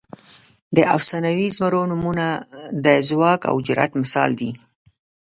د افسانوي زمرو نومونه د ځواک او جرئت مثال دي.